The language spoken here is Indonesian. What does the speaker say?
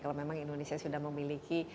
kalau memang indonesia sudah memiliki